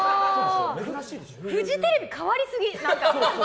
フジテレビ、変わりすぎ！